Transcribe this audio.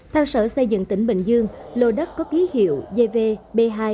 theo sở xây dựng tỉnh bình dương lô đất có ký hiệu v hai